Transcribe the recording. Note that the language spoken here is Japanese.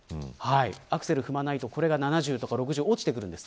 アクセルを踏まないとこれが７０とか６０と落ちてくるんです。